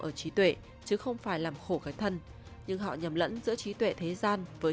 ở trí tuệ chứ không phải làm khổ cái thân